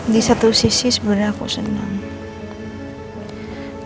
di satu sisi sebenernya aku seneng